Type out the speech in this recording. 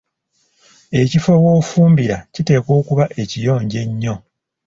Ekifo w‘ofumbira kiteekwa okuba ekiyonjo ennyo.